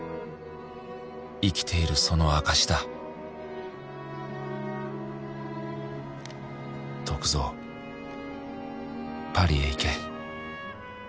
「生きているその証しだ」「篤蔵パリへ行け」